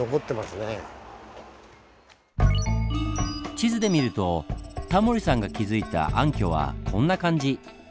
地図で見るとタモリさんが気付いた暗渠はこんな感じ。